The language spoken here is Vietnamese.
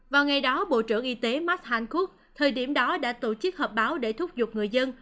vào ngày đó bộ trưởng y tế mark hancock thời điểm đó đã tổ chức hợp báo để thúc giục người dân